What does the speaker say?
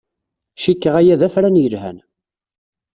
Cikkeɣ aya d afran yelhan.